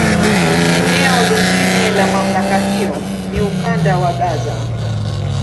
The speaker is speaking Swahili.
Eneo lingine la MamlakA hiyo ni Ukanda wa Gaza.